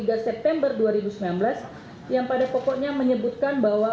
tanggal dua puluh tiga september dua ribu sembilan belas yang pada pokoknya menyebutkan bahwa